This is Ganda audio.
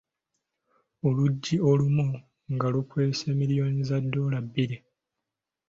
Oluggi olumu nga lukwese milliyoni za ddoola bbiri.